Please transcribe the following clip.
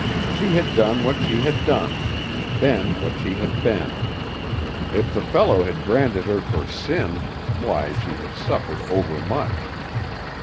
She had done what she had done, been what she had been. If the fellow had branded her for sin, why, she had suffered overmuch.